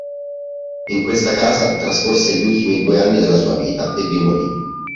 In questa casa trascorse gli ultimi due anni della sua vita e vi morì.